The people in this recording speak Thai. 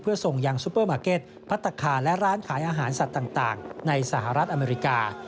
เพื่อส่งยังซูเปอร์มาร์เก็ตพัฒนาคารและร้านขายอาหารสัตว์ต่างในสหรัฐอเมริกา